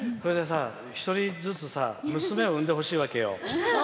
１人ずつさ娘を生んでほしいわけよ。